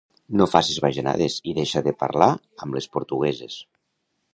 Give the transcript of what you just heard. No faces bajanades i deixa de parlar amb les portugueses